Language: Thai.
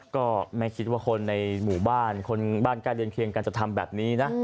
ก็ไม่คิดว่าคนในหมู่บ้านคนบ้านใกล้เรือนเคียงกันจะทำแบบนี้นะ